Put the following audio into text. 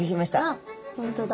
あっ本当だ。